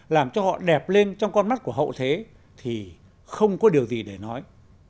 làm cho họ đẹp lên trong con mắt của hậu thế thì không có điều gì để nói